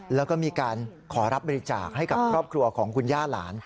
แล้วก็มีการขอรับบริจาคให้กับครอบครัวของคุณย่าหลาน